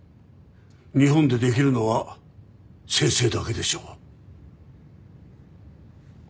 日本でできるのは先生だけでしょう？